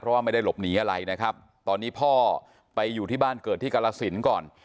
ว่าไม่ได้หลบหนีอะไรนะครับตอนนี้พ่อไปอยู่ที่บ้านเกิดที่กรสินก่อน